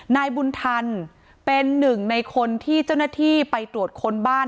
นายบุญทันเป็นหนึ่งในคนที่เจ้าหน้าที่ไปตรวจค้นบ้าน